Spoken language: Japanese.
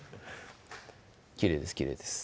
きれいですきれいです